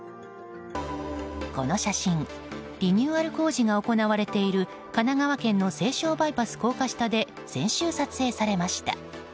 この写真リニューアル工事が行われている神奈川県の西湘バイパス高架下で先週撮影されました。